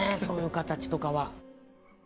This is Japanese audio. そういう形とかは。